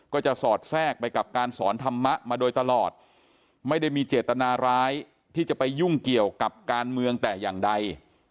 ก็จะสอดแทรกไปกับการสอนธรรมะมาโดยตลอดไม่ได้มีเจตนาร้ายที่จะไปยุ่งเกี่ยวกับการเมืองแต่อย่างใด